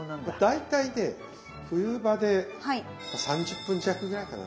大体ね冬場で３０分弱ぐらいかな。